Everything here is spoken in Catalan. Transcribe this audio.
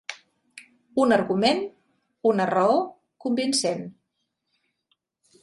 Un argument, una raó, convincent.